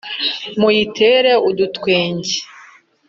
muyitere udutwenge